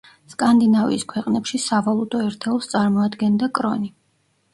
სკანდინავიის ქვეყნებში სავალუტო ერთეულს წარმოადგენდა კრონი.